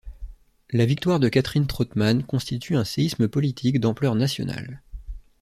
La victoire de Catherine Trautmann constitue un séisme politique d'ampleur nationale.